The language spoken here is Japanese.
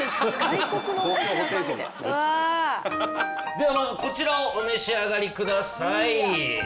ではまずこちらをお召し上がりください。